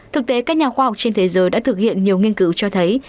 thực tế các nhà khoa học trên thế giới đã thực hiện nhiều nghiên cứu cho thấy